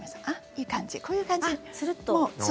いい感じ、こういう感じつるっと。